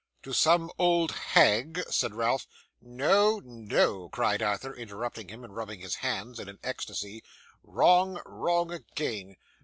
'To some old hag?' said Ralph. 'No, No,' cried Arthur, interrupting him, and rubbing his hands in an ecstasy. 'Wrong, wrong again.